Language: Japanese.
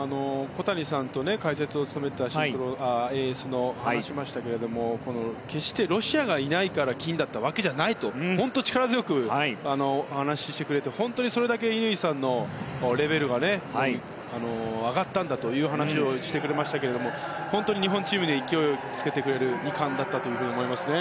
解説を務めた小谷さんと話をしましたが決して、ロシアがいないから金だったわけではないと力強く話をしてくれてそれだけ乾さんのレベルが上がったんだという話をしてくれましたけども日本チームに勢いをつけてくれる２冠だったと思いますね。